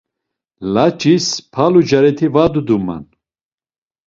Layç̌is palu cariti var duduman.